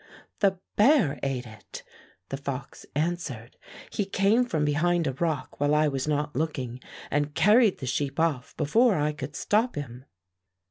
"The bear ate it," the fox answered. "He came from behind a rock while I was not looking and carried the sheep off before I could stop him."